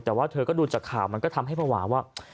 แต่ว่าเธอก็ดูจากข่าวมันก็ทำให้ภาวะว่า